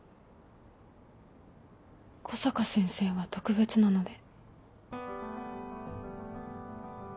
小坂先生は特別なので。